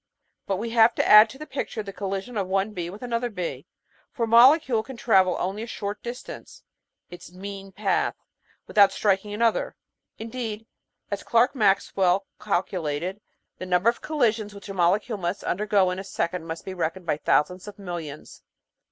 But we have to add to the picture the collision of one bee with another bee, for a molecule can travel only a short distance (its mean path) without striking another. In deed, as Clerk Maxwell calculated, the number of collisions which a molecule must undergo in a second must be reckoned by thou sands of millions.